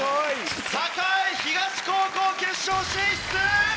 栄東高校決勝進出！